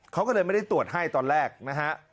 เขาก็เลยไม่ได้ตรวจให้ตอนแรกนะฮะ